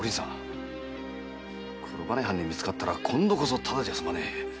黒羽藩に見つかったら今度こそただじゃ済まねえ。